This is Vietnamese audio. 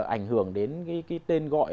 ảnh hưởng đến cái tên gọi